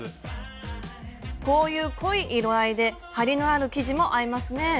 こういう濃い色合いで張りのある生地も合いますね。